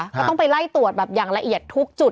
ก็ต้องไปไล่ตรวจแบบอย่างละเอียดทุกจุด